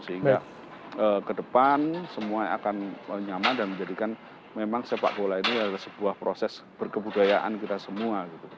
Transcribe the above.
sehingga ke depan semua akan nyaman dan menjadikan memang sepak bola ini adalah sebuah proses berkebudayaan kita semua